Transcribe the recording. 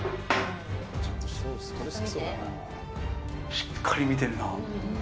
しっかり見てるな。